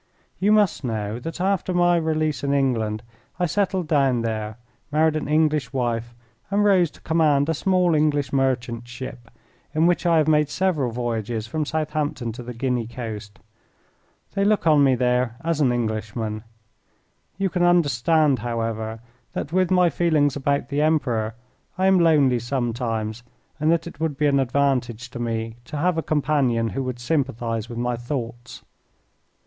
"You must know that after my release in England I settled down there, married an English wife, and rose to command a small English merchant ship, in which I have made several voyages from Southampton to the Guinea coast. They look on me there as an Englishman. You can understand, however, that with my feelings about the Emperor I am lonely sometimes, and that it would be an advantage to me to have a companion who would sympathize with my thoughts.